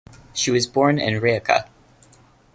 She was born in Rijeka.